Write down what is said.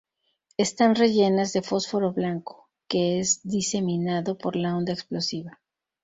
Están rellenas de fósforo blanco, que es diseminado por la onda explosiva.